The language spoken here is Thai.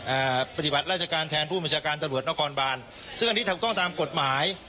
อ่าปฏิบัติราชการแทนผู้บัญชาการตำรวจนครบานซึ่งอันนี้ทำต้องตามกฎหมาย